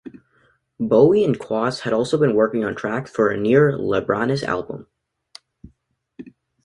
Bowie and Quast had also been working on tracks for a new Libraness album.